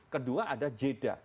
kedua ada jeda